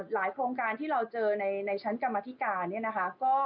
หลายโครงการที่เราเจอในชั้นกรรมธิการนะคะ